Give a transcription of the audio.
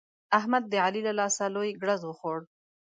احمد د علي له لاسه لوی ګړز وخوړ.